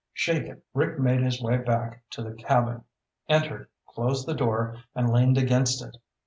Shaken, Rick made his way back to the cabin, entered, closed the door, and leaned against it.